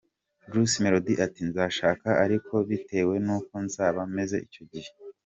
Bruce Melody ati “Nzashaka ariko bitewe n’uko nzaba meze icyo gihe.